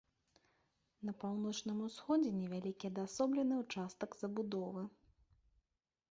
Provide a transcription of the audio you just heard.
На паўночным усходзе невялікі адасоблены ўчастак забудовы.